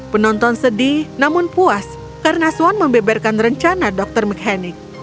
penonton sedih namun puas karena suan membeberkan rencana dr mechanic